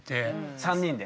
３人で？